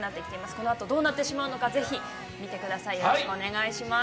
このあとどうなってしまうのかぜひ見てくださいよろしくお願いします